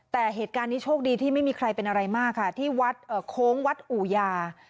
แต่เหตุการณ์นี้โชคดีที่ไม่มีใครเป็นอะไรมากค่ะที่วัดโค้งวัดอู่ยา